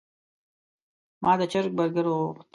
ما د چرګ برګر وغوښت.